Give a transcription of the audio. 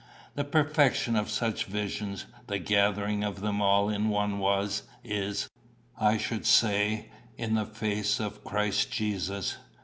The perfection of such visions, the gathering of them all in one was, is, I should say, in the face of Christ Jesus.